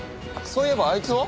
そういえばあいつは？